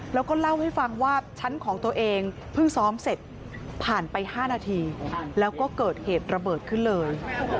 แล้วก็เล่าให้ฟังว่าชั้นของตัวเองเพิ่งซ้อมเสร็จผ่านไป๕นาทีแล้วก็เกิดเหตุระเบิดขึ้นเลย